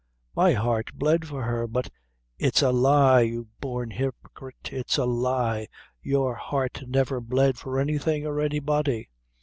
"My heart bled for her; but " "It's a lie, you born hypocrite it's a lie your heart never bled for anything, or anybody."